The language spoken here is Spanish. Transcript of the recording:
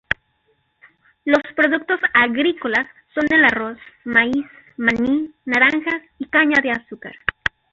Los productos agrícolas son el arroz, maíz, maní, naranjas y caña de azúcar.